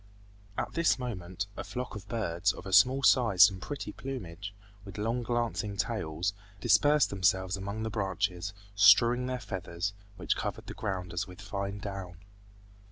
At this moment a flock of birds, of a small size and pretty plumage, with long glancing tails, dispersed themselves among the branches strewing their feathers, which covered the ground as with fine down.